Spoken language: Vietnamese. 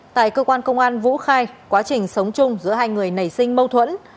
tại cơ quan công an vũ khai quá trình sống chung giữa hai người nảy sinh mâu thuẫn